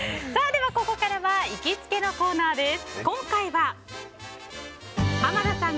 では、ここからは行きつけのコーナーです。